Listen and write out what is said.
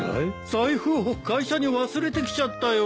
財布を会社に忘れてきちゃったよ。